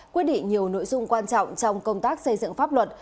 quyết định nhiều nội dung quan trọng trong công tác xây dựng pháp luật